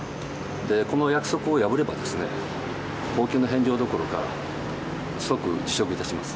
この約束を破れば、公給の返上どころか、即辞職いたします。